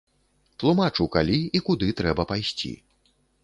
Тлумачу, калі і куды трэба пайсці.